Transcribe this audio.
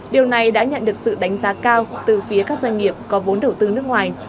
điều này đã nhận được sự đánh giá cao từ phía các doanh nghiệp có vốn đầu tư nước ngoài